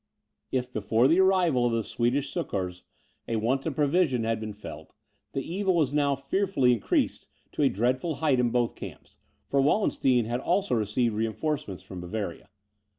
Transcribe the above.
If, before the arrival of the Swedish succours, a want of provisions had been felt, the evil was now fearfully increased to a dreadful height in both camps, for Wallenstein had also received reinforcements from Bavaria.